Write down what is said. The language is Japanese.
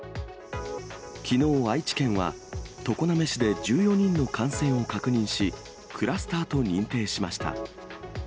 きのう、愛知県は常滑市で１４人の感染を確認し、クラスターと認定しました。